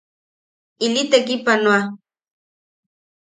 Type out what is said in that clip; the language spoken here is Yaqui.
Ili tekipanoa.